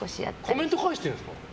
コメント返してるんですか。